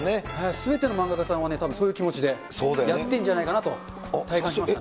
すべての漫画家さんはたぶんそういう気持ちでやってんじゃないかなと体感しましたね。